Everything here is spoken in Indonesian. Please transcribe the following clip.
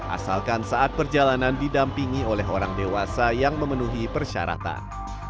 asalkan saat perjalanan didampingi oleh orang dewasa yang memenuhi persyaratan